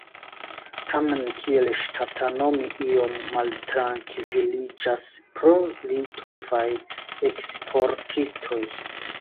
Tamen kiel ŝtatano mi iom maltrankviliĝas pro litovaj eksportistoj.